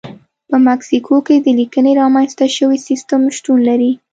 په مکسیکو کې د لیکنې رامنځته شوی سیستم شتون لري.